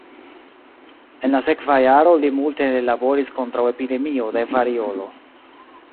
En la sekva jaro li multe laboris kontraŭ epidemio de variolo.